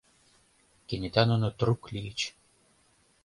Кенета нуно трук лийыч.